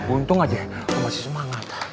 untung aja masih semangat